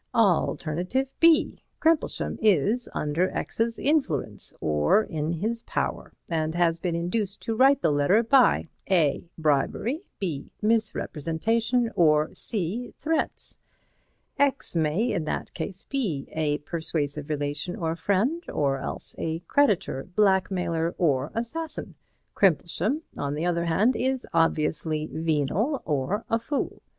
Alternative B: Crimplesham is under X's influence or in his power, and has been induced to write the letter by (a) bribery, (b) misrepresentation or (c) threats. X may in that case be a persuasive relation or friend, or else a creditor, blackmailer or assassin; Crimplesham, on the other hand, is obviously venal or a fool.